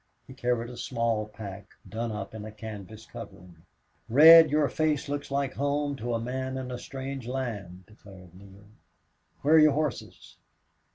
He carried a small pack done up in a canvas covering. "Red, your face looks like home to a man in a strange land," declared Neale. "Where are your horses?"